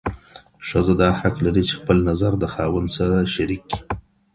ښځه دا حق لري، چي خپل نظر د خاوند سره شريک کړي.